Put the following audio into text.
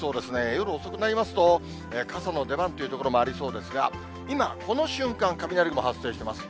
夜遅くなりますと、傘の出番という所もありそうですが、今この瞬間、雷雲発生しています。